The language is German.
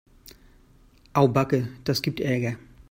Au backe, das gibt Ärger.